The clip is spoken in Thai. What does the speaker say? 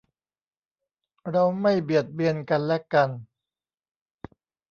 เราไม่เบียดเบียนกันและกัน~